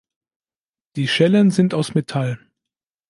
Die Schellen sind aus Metall.